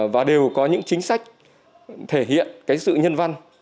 và đều có những chính sách thể hiện cái sự nhân văn